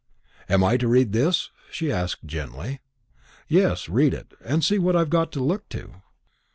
"Am I to read this?" she asked gently. "Yes, read it, and see what I've got to look to."